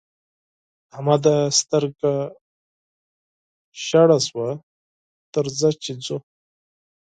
احمده! سترګه ژړه شوه؛ درځه چې ځو.